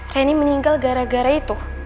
reni meninggal gara gara itu